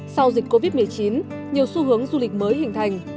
sau dịch covid một mươi chín nhiều xu hướng du lịch mới hình thành